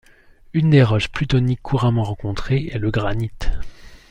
Une des roches plutoniques couramment rencontrées est le granite.